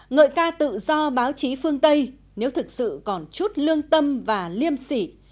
ngợi ca tự do báo chí phương tây nếu thực sự còn chút lương tâm và liêm sỉ